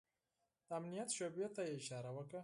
د امنيت شعبې ته يې اشاره وکړه.